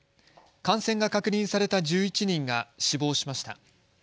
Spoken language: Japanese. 感染が確認された１１人が死亡しました。